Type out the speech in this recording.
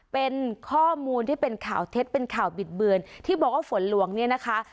เป็นข้อมูลที่เป็นข่าวเท็จเป็นข่าวบิดเบือนที่บอกว่าฝนหลวงเนี่ยนะคะ